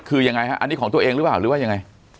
คือยังไงฮะอันนี้ของตัวเองหรือเปล่าหรือว่ายังไง